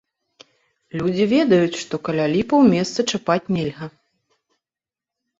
Людзі ведаюць, што каля ліпаў месца чапаць нельга.